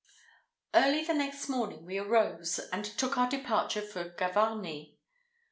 Early the next morning we arose, and took our departure for Gavarnie.